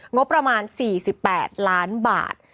งบประมาณ๔๘ล้านบาท